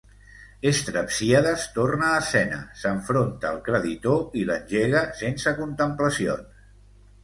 Estrepsíades torna a escena, s'enfronta al creditor i l'engega sense contemplacions.